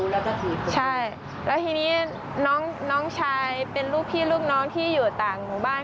แล้วก็ใช่แล้วทีนี้น้องชายเป็นลูกพี่ลูกน้องที่อยู่ต่างหมู่บ้าน